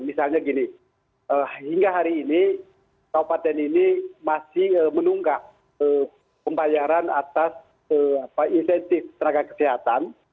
misalnya gini hingga hari ini kabupaten ini masih menunggak pembayaran atas insentif tenaga kesehatan